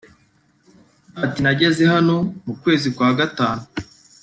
Ati “ Nageze hano mu kwezi kwa gatanu